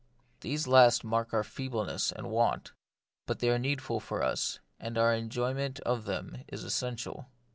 These last mark our feebleness and want ; but they are need ful for us, and our enjoyment of them is essen tial.